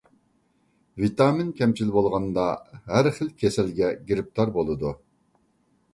ۋىتامىن كەمچىل بولغاندا، ھەر خىل كېسەلگە گىرىپتار بولىدۇ.